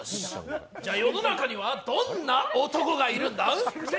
世の中にはどんな男がいるんだ？